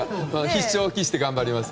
必勝を期して頑張ります。